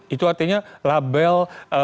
itu artinya label